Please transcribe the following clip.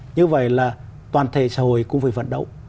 như vậy là toàn thể xã hội cũng phải phấn đấu